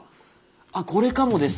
あっこれかもです。